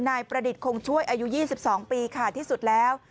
นายประดิษฐ์คงช่วยอายุ๒๒ปีค่ะที่สุดแล้ว